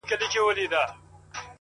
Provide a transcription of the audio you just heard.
ډبري غورځوې تر شا لاسونه هم نیسې-